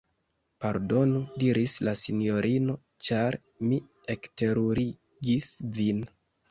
Pardonu! diris la sinjorino, ĉar mi ekterurigis vin.